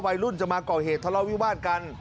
วัยรุ่นจะมาก่อเหตุทะเลาวิวาสกัน